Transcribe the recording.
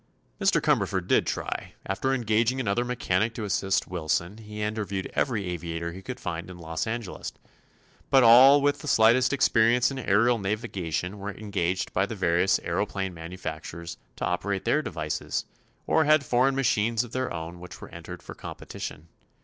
Mr. Cumberford did try. After engaging another mechanic to assist Wilson he interviewed every aviator he could find in Los Angeles. But all with the slightest experience in aërial navigation were engaged by the various aëroplane manufacturers to operate their devices, or had foreign machines of their own which were entered for competition.